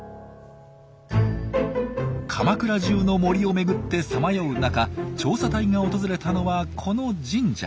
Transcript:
鎌倉じゅうの森を巡ってさまよう中調査隊が訪れたのはこの神社。